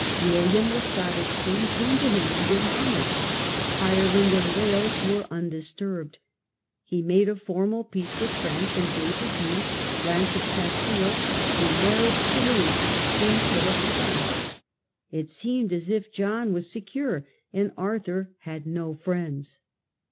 William, the Scottish king, came to him and did homage. Ireland and Wales were undisturbed. He made a formal peace with France, and gave his niece Blanche of Castile in marriage to Louis, .King Philip's son. It seemed as if John was secure, and Arthur had no friends.